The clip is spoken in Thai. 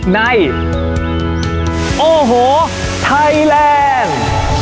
ในโอ้โหไทยแลนด์